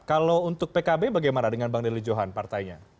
kalau untuk pkb bagaimana dengan bang deli johan partainya